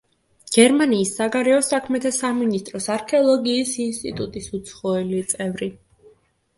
გერმანიის საგარეო საქმეთა სამინისტროს არქეოლოგიის ინსტიტუტის უცხოელი წევრი.